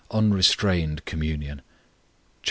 UNRESTRAINED COMMUNION. Chap.